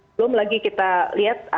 belum lagi kita lihat